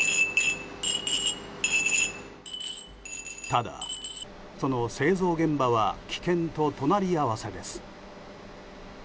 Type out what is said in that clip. ただ、その製造現場は危険と隣り合わせです。